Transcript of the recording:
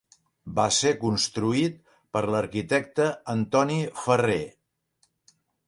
Va ser construït per l’arquitecte Antoni Ferrer.